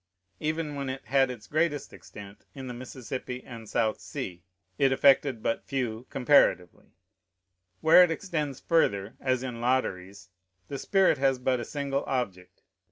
Even when it had its greatest extent, in the Mississippi and South Sea, it affected but few, comparatively; where it extends further, as in lotteries, the spirit has but a single object.